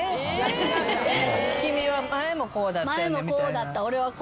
「君は前もこうだった」みたいな？